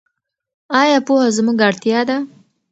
ایا پوهه زموږ اړتیا ده؟